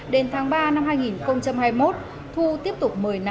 đến tháng ba năm hai nghìn hai mươi một thu tiếp tục mời nạn nhân